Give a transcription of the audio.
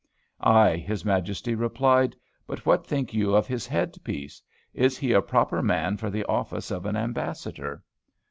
'Aye,' his Majesty replied, 'but what think you of his head piece? Is he a proper man for the office of an ambassador?'